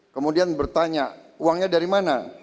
kemudian bertanya uangnya dari mana